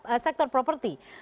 seperti adalah sektor properti